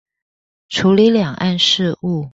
處理兩岸事務